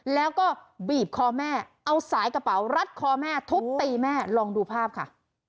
แล้วก็บีบคอแม่เอาสายกระเป๋ารัดคอแม่ทุบตีแม่ลองดูภาพค่ะ